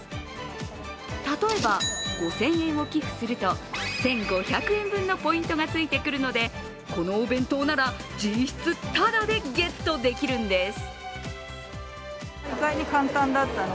例えば５０００円を寄付すると、１５００円分のポイントがついてくるのでこのお弁当なら、実質タダでゲットできるんです。